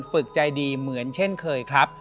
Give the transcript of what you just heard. ฝึกใจดีเหมือนเช่นเคยครับ